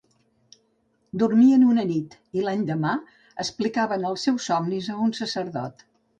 Dormien una nit i, l'endemà, explicaven els seus somnis a un sacerdot.